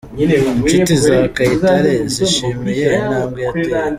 Inshuti za Kayitare zishimiye intambwe yateye.